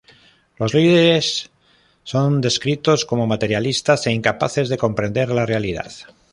Los líderes son descritos como materialistas e incapaces de comprender la realidad.